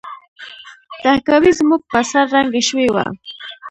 تهکوي زموږ په سر ړنګه شوې وه